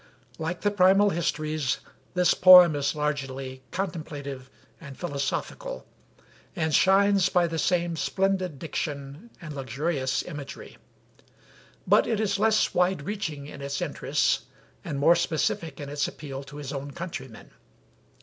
Like the 'Primal Histories,' this poem is largely contemplative and philosophical, and shines by the same splendid diction and luxurious imagery; but it is less wide reaching in its interests and more specific in its appeal to his own countrymen.